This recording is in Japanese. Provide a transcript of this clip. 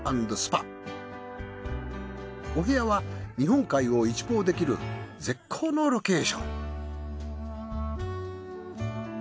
お部屋は日本海を一望できる絶好のロケーション。